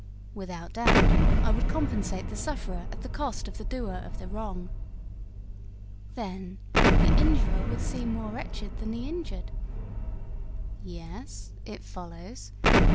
'Without doubt, I would compensate the sufferer at the cost of the doer of the wrong.' 'Then, the injurer would seem more wretched than the injured?' 'Yes; it follows.